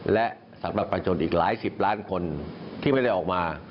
และสำหรับประชนอีกหลายสิบล้านคนที่ไม่ได้ออกมา